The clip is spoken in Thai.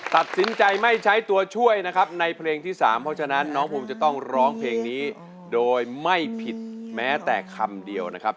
ตัดสินใจไม่ใช้ตัวช่วยนะครับในเพลงที่๓เพราะฉะนั้นน้องภูมิจะต้องร้องเพลงนี้โดยไม่ผิดแม้แต่คำเดียวนะครับ